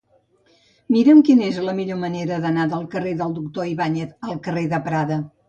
Mira'm quina és la millor manera d'anar del carrer del Doctor Ibáñez al carrer de Prada.